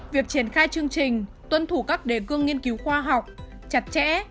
việc triển khai chương trình tuân thủ các đề cương nghiên cứu khoa học chặt chẽ